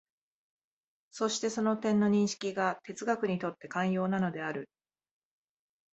そしてその点の認識が哲学にとって肝要なのである。